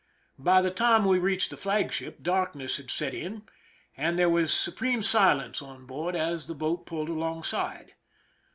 By the time we reached the flagship, darkness had set in, and there was supreme silence on board as the boat pulled alongside.